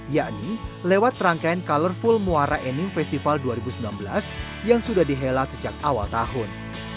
yakni lewat rangkaian colorful muara ening festival dua ribu sembilan belas yang sudah dihelat sejak awal tahun